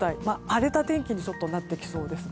荒れた天気になってきそうです。